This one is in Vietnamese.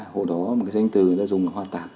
hồi đó một cái danh từ người ta dùng là hoa tản